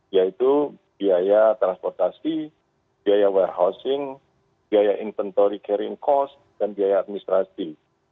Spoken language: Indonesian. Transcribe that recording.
yaitu biaya transportasi biaya warehosting biaya inventory carring cost dan biaya administrasi